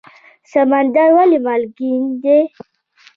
سمندر ولې مالګین دی؟